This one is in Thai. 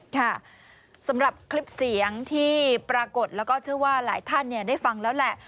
ค่ะสำหรับคลิปเสียงที่ปรากฏแล้วก็เชื่อว่าหลายท่านได้ฟังแล้วแหละ